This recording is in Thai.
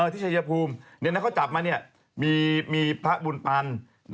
ที่ชายภูมินะก็จับมามีภาคบุญปัล